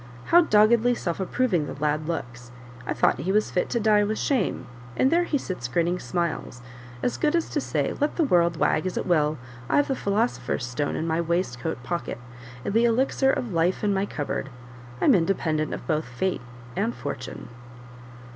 How doggedly self approving the lad looks! I thought he was fit to die with shame, and there he sits grinning smiles, as good as to say, 'Let the world wag as it will, I've the philosopher's stone in my waist coat pocket, and the elixir of life in my cupboard; I'm independent of both Fate and Fortune.